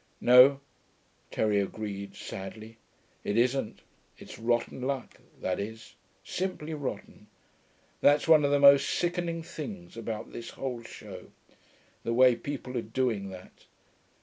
'No,' Terry agreed, sadly. 'It isn't. It's rotten luck, that is. Simply rotten. That's one of the most sickening things about this whole show, the way people are doing that....